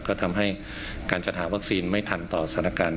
ก็ทำให้การจัดหาวัคซีนไม่ทันต่อสถานการณ์